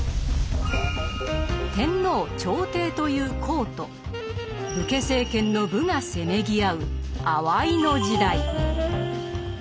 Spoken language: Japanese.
天皇・朝廷という「公」と武家政権の「武」がせめぎ合う「あわいの時代」。